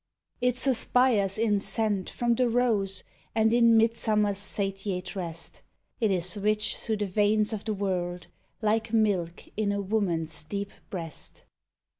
It suspires in scent from the rose And in midsummer's satiate rest ; It is rich through the veins of the world, Like milk in a woman's deep breast.